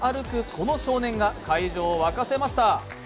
この少年が会場を沸かせました。